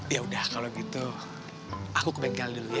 yaudah kalau gitu aku ke bengkel dulu ya